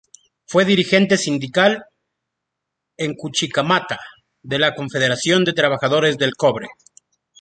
Fue dirigente sindical en Chuquicamata, de la Confederación de Trabajadores del Cobre.